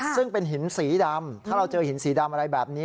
ซึ่งเป็นหินสีดำถ้าเราเจอหินสีดำอะไรแบบนี้